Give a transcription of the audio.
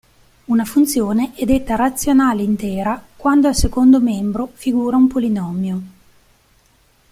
Una funzione è detta "razionale intera" quando al secondo membro figura un polinomio.